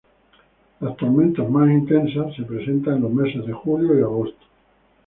Las tormentas más intensas se presentan en los meses de julio y agosto.